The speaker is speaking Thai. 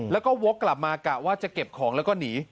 แล้วก็วกกลับมากะว่าจะเก็บของแล้วก็หนี